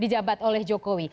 dijabat oleh jokowi